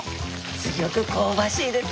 すギョく香ばしいです。